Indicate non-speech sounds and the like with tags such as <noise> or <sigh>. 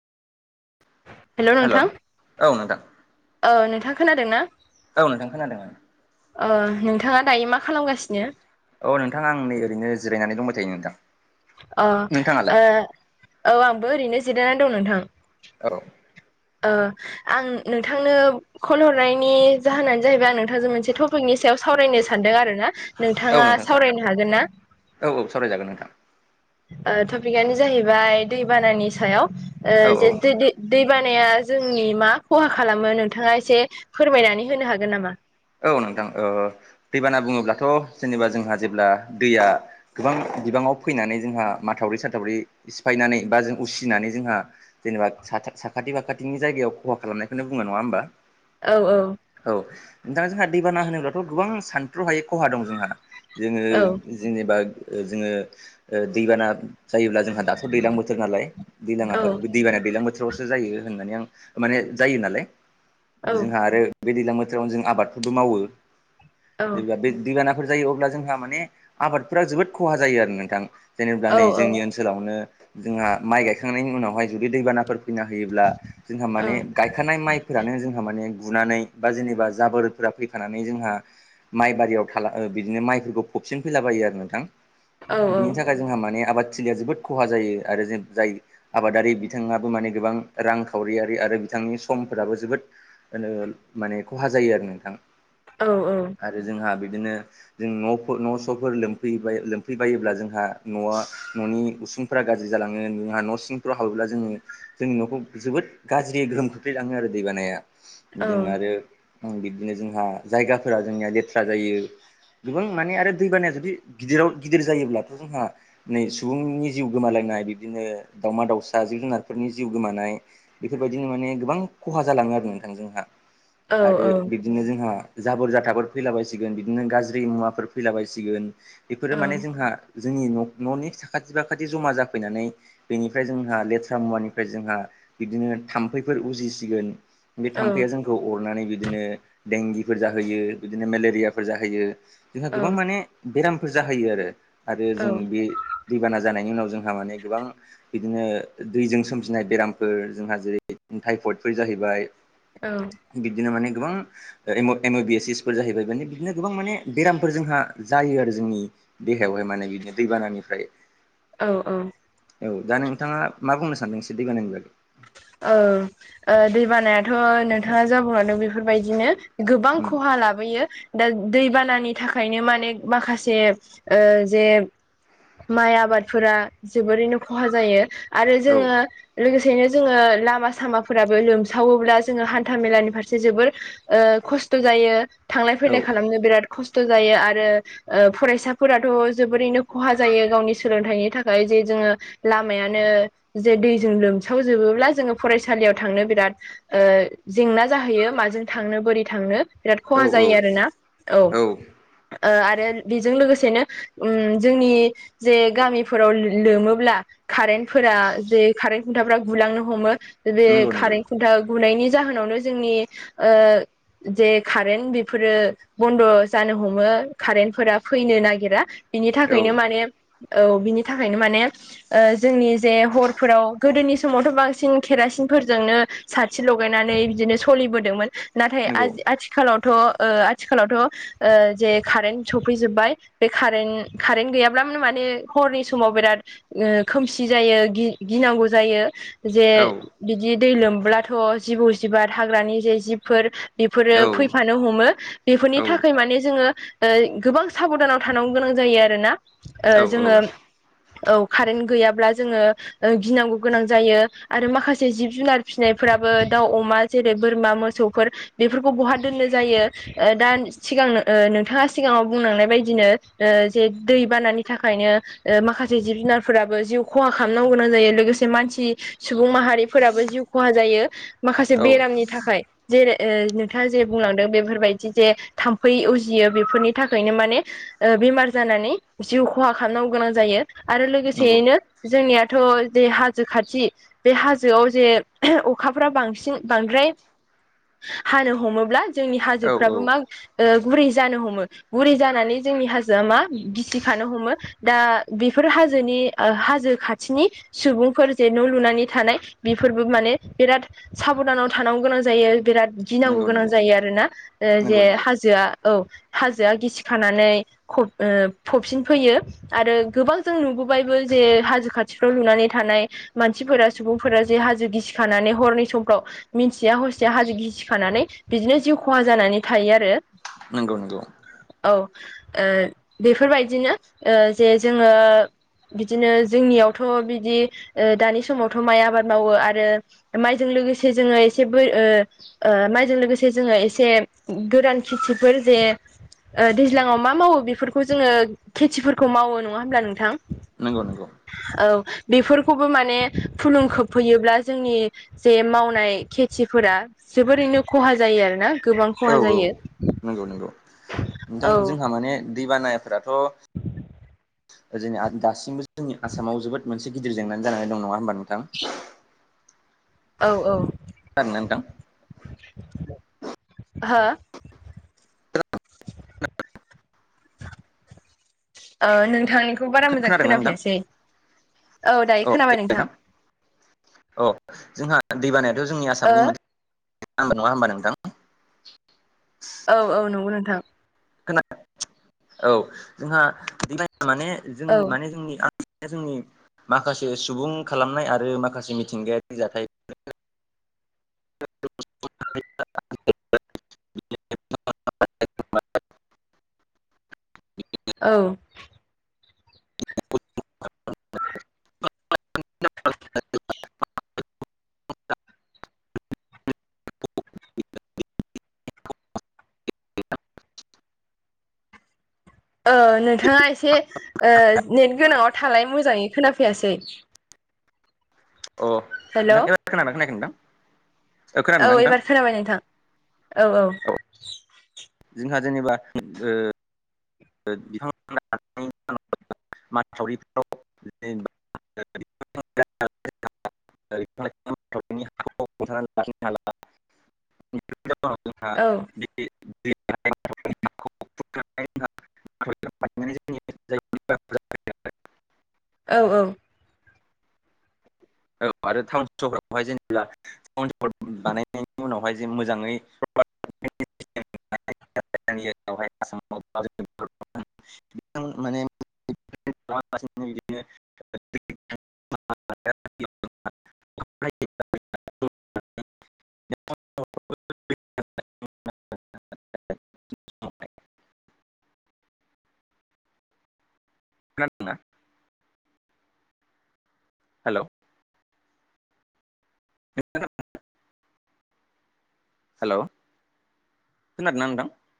हेल' नोंथां औ नोंथां औ नोंथाङा खोनादों ना? गाव नोंथां खोनादोंमोन औ ओ नोंथाङा दायो मा खालामगासिनो? औ नोंथां आं नै ओरैनो जिरायनानै दंबाय थायो नोंथां। अ नोंथाङालाय ओ औ आंबो ओरैनो जिरायनानै दं नोंथां। औ ओ आं नोंथांनो कन हरनायनि जाहोनानो जाहैबाय आं नोंथांजों मोनसे टपिकनि सायाव सावरायनो सानदों आरो शना औ नोंथाङा नोंथां सार सावरायनो हागोन ना? औ औ सावराय जागोन नोंथां। टपिकआनो जाहैबाय दैबानानि सायाव औ जे दै बानाया जोंनि मा खहा खालामो नोंथाङा एसे फोरमायनानै होनो हागोन नामा औ नोंथां दैबाना बुङोब्लाथ' जेनेबा जोंहा जेब्ला दैया गोबां बिबाङाव फैनानै जोंहा माथावरि साथावरि सिफायनानै बा जों उसिनानै जोंहा जेनेबा साखाथि फाखाथिनि जायगायाव खहा खालामनायखौनो बुङो नङा होमबा। औ औ औ नोंथाङा जोंहा दैबाना होनोब्लाथ' गोबां सानथ्रुहायै खहा दं जोंहा जोङो औ जेनेबा जोङो दैबाना जायोब्ला जोंहा दाथ' दैजलां बोथोर नालाय दैलाङा औ दैबाना दैलां बोथोरावसो जायो होननानै आं माने जायो नालाय औ जोंहा आरो बे दैज्लां बोथोरावनो जों आबादफोरबो मावो औ जेनेबा बे दैबाना जायो अब्ला जोंहा माने आबादफोरााव जोबोद खहा जायो आरो नोंथां जेनेबा औ नै जोंनि ओन ओनसोलावनो जोंहा माइ गायखांनायनि उनावहाय जुदि दैबानाफोर फैना होयोब्ला जोंहा माने औ गायखानाय माइफोरानो जोंहा माने गुनानै बा जेनेबा जाबोरदफोरा फैखानानै जोंहा माइ बारियाव थाला बिदिनो माइफोरखौ फबसिन फैलाबायो आरो नोंथां औ औ बिनि थाखाय जोंहा माने आबादथिलिया जोबोद खहा जायो आरो जों जाय आबादारि बिथाङाबो माने गोबां रांखावरियारि आरो बिथांनि समफोराबो जोबोद <unintelligible> माने खहा जायो आरो नोंथां। औ औ आरो जोंहा बिदिनो जों न' न' स'फोर लोमफै- लोमफैबायोब्ला जोंहा न'आव न'नि उसुं फोरा गाज्रि जालाङो जोंहा न' सिंफोराव हाबोब्ला जोङो जोंनि न'खौ जोबोद गाज्रि गोहोम खोख्लैलाङो आरो दै बानाया औ जोङो आरो बिबदिनो जोंहा जायगाफोरा जोंनिया लेथ्रा जायो। गोबां माने आरो दैबानाया जुदि गिदिराव गिदिर जायोब्लाथ' जोंहा नै सुबुंनि जिउ गोमालायनाय बिदिनो दाउमा दाउसा जिब जुनारफोरनि जिउ गोमानाय बेफोरबायदिनो माने गोबां खहा जालाङो आरो नोंथांजोंहा औ आरो बि बिदिनो जोंहा जाबोर जाथाफोर फैला बसिगोन बिदिनो गाज्रि मुवाफोर फैला बसिगोन। औ बेफोरो माने जोंहा जोंनि न'नि साखाथि बाखाथि जमा जाफैनानै बेनिफ्राय जोंहा लेथ्रा मुवानिफ्राय जोंहा बिदिनो थाम्फैफोर उजिसिगोन बे थाम्फैया जोंखौ अरनानै बिदिनो देंगिफोर जाहैयो बिदिनो मेलेरियाफोर जाहोयो जोंहा गोबां माने बेरामफोर जाहैयो आरो आरो जों औ बे दैबाना जानायनि उनाव जोंहा माने गोबां बिदिनो दैजों सोमजिनाय बेरामफोर जोंहा जेरै थाइपडफोर जाहैबाय औ बिदिनो माने गोबां एम अ बि एस एसफोर जाहैबाय माने बिदिनो गोबां माने बेरामफोर जोंहा जायो आरो जोंनि देहायावहाय माने बिदिनो दैबानानिफ्राय औ औ औ दा नोंथाङा मा बुंनो सानदों एसे दै बानानि बागै औ ओ दै बानायाथ' नोंथाङा जा बुंलांदों बेफोरबायदिनो गोबां उम खहा लाबोयो दा दैबानानि थाखायनो माने माखासे ओ जे माइ आबादफोरा जोबोरैनो खहा जायो आरो औ जोङो लोगोसेनो जोङो लामा सामाफोराबो लोमसावोब्ला जोङो हान्था मेलानि फारसे जोबोर ओ खस्थ' जायो थांलाय औ फैलाय खालामनो बिराद खस्थ' जायो आरो ओ फरायसाफोराथ' जोबोरैनो खहा जायो गावनि सोलोंथाइनि थाखाय जे जोङो लामायानो जे दैजों लोमसावजोबोब्ला जोङो फरायसालियाव थांनो बिराद ओ जेंना जाहैयो माजों थांनो बोरै थांनो बिराद औ खहा औ जायो आरोना औ ओ आरो बेजों लोगोसेनो ओम जोंनि जे गामिफोराव लोमोब्ला कारेन्ट फोरा जे कारेन्ट खुन्थाफोरा गुलांनो हमो बे नंगौ नंगौ कारेन्ट खुन्था गुनायनि जाहोनावनो जोंनि ओ जे कारेन्ट बेफोरो बन्द' जानो हमो कारेन्टफोरा फैनो नागिरा बिनि औ थाखायनो माने औ बिनि थाखायनो माने ओ जोंनि जे हरफोराव गोदोनि समावथ' बांसिन केरासिनफोरजोंनो साथि लगायनानै बिदिनो सोलिबोदोंमोन। नाथाय ओ नंगौ आथिखालावथ' आथिखालावथ' ओ जे कारेन्ट सफैजोबबाय। बे कारन् कारेन्ट गैयाब्लानो माने हरनि समाव बिराद ओ खोमसि जायो गिनांगौ जायो जे औ बिदि दै लोमब्लाथ' जिबौ जिबार हाग्रानि जे जिबफोर बेफोरो औ फैफानो हमो बेफोरनि औ थाखाय माने जोङो ओ गोबां साबधानाव थानांगौ गोनां जायो आरोना औ जोङो औ कारेन्ट गैयाब्ला जोङो गिनांगौ गोनां जायो आरो माखासे जिब जुनार फिसिनायफोराबो दाउ अमा जेरै बोरमा मोसौफोर बेफोरखौ बहा दोननो जायो। ओ दा सिगां ओ नोंथाङा सिगाङाव बुंलांनाय बायदिनो जे दै बानानि थाखायनो ओ माखासे जिब जुनारफोराबो जिउ खहा खालामनांग गोनां जायो लोगोसे मानसि सुबुं माहारिफोराबो जिउ खहा जायो माखासे औ बेरामनि थाखाय जेरै नोंथाङा जे बुंलांदों बेफोरबायदि जे थाम्फै उजियो बेफोरनि थाखायनो माने ओ बेमार जानानै जिउ खहा खालामनांगौ गोनां जायो। आरो नंगौ लोगोसेयैनो जोंनियाथ' जे हा हाजो खाथि बे हाजोआव जे अखाफ्रा बांसिन बांद्राय हानो हमोब्ला जोंनि औ औ हाजोफ्राबो मा ओ गुरै जानो हमो गुरै जानानै जोंनि हाजोआ मा गिसिखानो हमो। दा बेफोर हाजोनि हाजो खाथिनि सुबुं फोर जे न' लुनानै थानाय बेफोरबो माने बिराद साबधानाव थानांगौ गोनां जायो बिराद गिनांगौ नंगौ गोनां नंगौ जायो आर ना जे नंगौ नंगौ हाजोआ औ हाजोआ गिसि खानानै फब ओ सिनफैयो आरो गोबां जों नुबोबायबो जे हाजो खाथिफ्राव लुनानै थानाय मानसिफोरा सुबुंफोरा जे हाजो गिसिखानानै हरनि समफ्राव मिन्थिया हसिया हाजो गिसि खानानै बिदिनो जिउ खहा जानानै थायो आरो। नंगौ नंगौ औ ओ बेफोरबायदिनो ओ जे जोङो बिदिनो जोंनियावथ' बिदि दानि समावथ' माइ आबाद मावो आरो माइजों लोगोसे जोङो एसे बोर ओ माइजों लोगोसे जोङो एसे गोरान खेथिफोर जे ओ दैज्लाङाव मा मावो बेफोरखौ जोङो खेथिफोरखौ मावो नङा होमब्ला नोंथां? नंगौ नंगौ औ बेफोरखौबो माने खुलुं खोबफैयोब्ला जोंनि जे मावनाय खेथिफोरा जोबोरैनो खहा जायो आरोना गोबां औ खहा औ जायो। नंगौ नंगौ नोंथां औ जोंहा माने दैबानायाफोराथ'ओ जों दासिमबो जोंनि आसामाव जोबोद मोनसे गिदिर जनानै जानानै दं नङा होनोमबा नोंथां? <inaudible> औ औ खोनादों ना नोंथां? हो औ नोंथांनि बेखौ बारा मोजां खोनादोंना नोंथां खोनाफैयासै औ दायो खोनाबाय नोंथां। अ जोंहा दै बानायाथ' जोंनि ओ आसामनि मोनसे नाम्बार नङा होमबा नोंथां? औ औ नंगौ नोंथां खोनादों औ जोंहा माने जों औ माने जोंनि जोंनि माखासे सुबुं खालामनाय आरो माखासे मिथिंगायारि जाथाय <unintelligible> औ <unintelligible> <unintelligible> <unintelligible> नोंथांङा एसे नेट गोनांङाव थालाय मोजांङै खोनाफैयासै अ हेल' नोंथां एबार खोनादों ना खोनायाखै नोंथां ओ औ खोनादोंना नोंथां एबार खोनाबाय नोंथां औ औ जोंहा जेनेबा बिथांमोना हा मानासावरिफ्राव जबा <unintelligible> <unintelligible> औ <inaudible> <unintelligible> जायगायाव औ औ औ आरो टाउन सहरावहाय जेनेबा <unintelligible> बानायनायनि उनावहाय जे मोजांङै <inaudible> <unintelligible> <unintelligible> <unintelligible> <unintelligible> <unintelligible> <unintelligible> खोनादोंना हेलौ हेलौ' खोनादोंना नोंथां